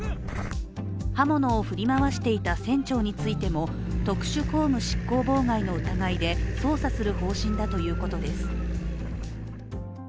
刃物を振り回していた船長についても特殊公務執行妨害の疑いで捜査する方針だということです。